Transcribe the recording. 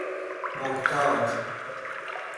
محتاج